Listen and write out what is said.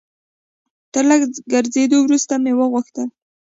تر لږ ګرځېدو وروسته مې وغوښتل.